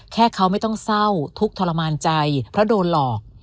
แค่เขาไม่ต้องเศร้าทุกข์ทรมานใจเพราะโดนหลอก